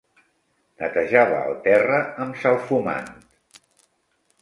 Netejava el terra amb salfumant.